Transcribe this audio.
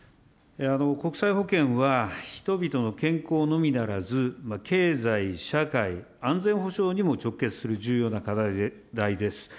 国際保健は人々の健康のみならず、経済、社会、安全保障にも直結する重要な課題です。